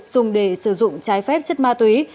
dùng để sử dụng trái phép chất ma túy